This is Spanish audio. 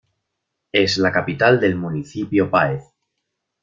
Es la capital del municipio Páez.